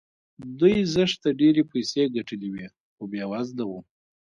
دوی زښته ډېرې پيسې ګټلې وې خو بې وزله وو.